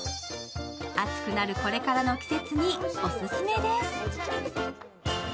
暑くなるこれからの季節にオススメです。